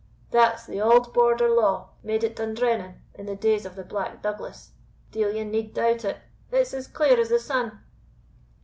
That's the auld Border law, made at Dundrennan, in the days of the Black Douglas, Deil ane need doubt it. It's as clear as the sun."